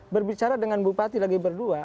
berbicara dengan bupati lagi berdua